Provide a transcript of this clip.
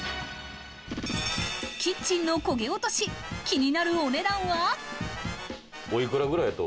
キッチンのコゲおとし、気になるお値段は？